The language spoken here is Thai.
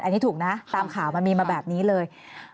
อันนี้ถูกนะตามข่าวมันมีมาแบบนี้เลย